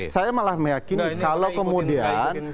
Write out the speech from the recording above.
saya malah meyakini kalau kemudian